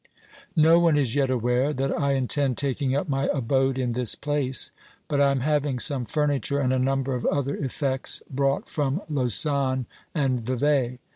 No one is yet aware that I intend taking up my abode in this place, but I am having some furniture and a number of other effects brought from Lausanne and Vevey.